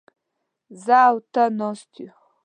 زه او ته ناست يوو.